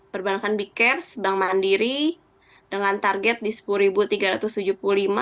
perbankan bicaps bank mandiri dengan target di rp sepuluh tiga ratus tujuh puluh lima